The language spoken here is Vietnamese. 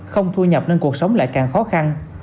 không thu nhập nên cuộc sống lại càng khó khăn